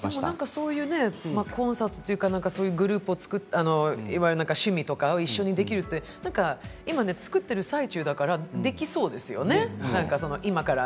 そういうコンサートとか趣味とかのグループを作ったり一緒にできるって今、作ってる最中だからできそうですよね